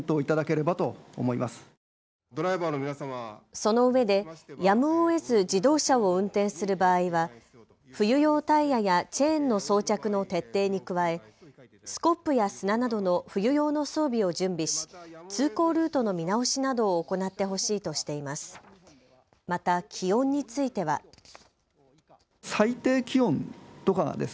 そのうえでやむをえず自動車を運転する場合は冬用タイヤやチェーンの装着の徹底に加えスコップや砂などの冬用の装備を準備し通行ルートの見直しなどを行ってほしいとしています。